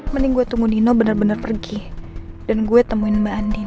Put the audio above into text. mending gue tunggu nino bener bener pergi dan gue temuin mbak andin